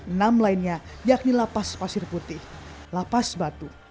enam lainnya yakni lapas pasir putih lapas batu